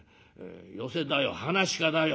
寄席だよ噺家だよ」。